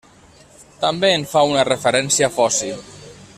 També en fa una referència Foci.